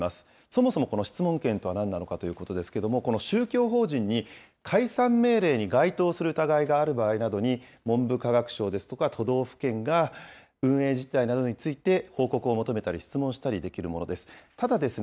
そもそもこの質問権とは何なのかということですけれども、この宗教法人に解散命令に該当する疑いがある場合などに、文部科学省ですとか、都道府県が、運営実態などについて報告を求めたり質問したりすることができるものです。